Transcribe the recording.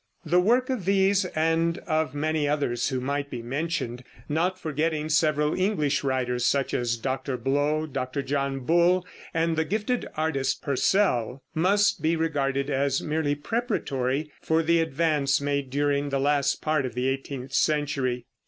The work of all these and of many others who might be mentioned, not forgetting several English writers, such as Dr. Blow, Dr. John Bull and the gifted artist Purcell (see p. 350), must be regarded as merely preparatory for the advance made during the last part of the eighteenth century.